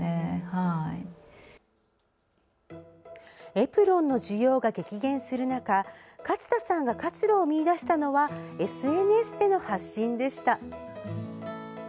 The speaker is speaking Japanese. エプロンの需要が激減する中勝田さんが活路を見出したのはＳＮＳでの発信でした。